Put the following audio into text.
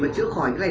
hả thuốc đặc trị đấy